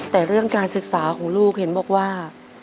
แต่เรื่องการศึกษาของลูกเห็นบอกว่า